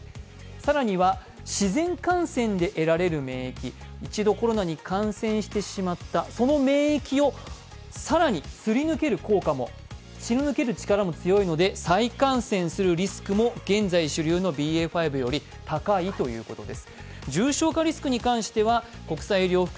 更には、自然感染で得られる免疫、一度コロナに感染してしまったその免疫を更にすり抜ける力も強いので再感染するリスクも現在主流のＢＡ．５より高いということです。